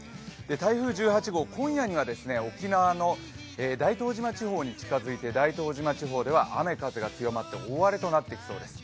台風１８号今夜には沖縄の大東島地方に近づいて大東島地方では雨風が強まって大荒れとなってきそうです。